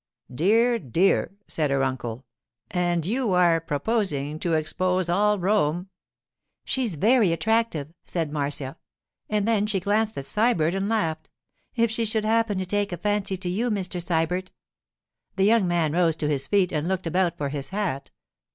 'Dear, dear!' said her uncle; 'and you are proposing to expose all Rome——' 'She's very attractive,' said Marcia, and then she glanced at Sybert and laughed. 'If she should happen to take a fancy to you, Mr. Sybert——' The young man rose to his feet and looked about for his hat.